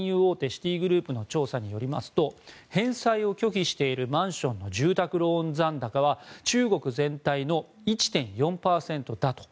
シティグループの調査によりますと返済を拒否しているマンションの住宅ローン残高は中国全体の１．４％だと。